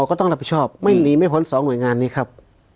ก็ต้องรับผิดชอบไม่หนีไม่พ้น๒หน่วยงานนี้ครับ